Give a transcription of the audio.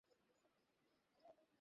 সে সম্বন্ধে কুসুমের কি বলিবার কিছু নাই?